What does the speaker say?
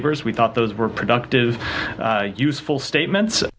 kami pikir itu adalah ujian produktif dan berguna